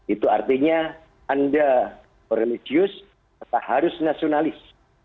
itu artinya anda religius atau harus nasionalis